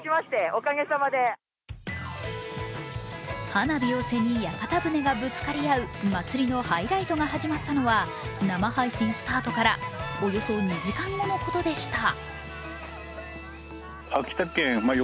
花火を背に屋形船がぶつかり合う祭りのハイライトが始まったのは生配信スタートからおよそ２時間後のことでした。